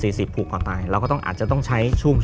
ปีก่อนตายเราก็อาจจะต้องใช้ช่วง